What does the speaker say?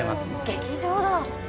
劇場だ。